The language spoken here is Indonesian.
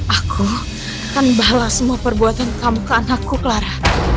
aku kan balas semua perbuatan kamu ke anakku clara